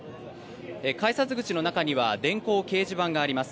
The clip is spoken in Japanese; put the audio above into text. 改札口の中には電光掲示板があります。